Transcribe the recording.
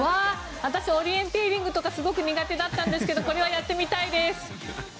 私オリエンテーリングとかすごく苦手だったんですけどこれはやってみたいです。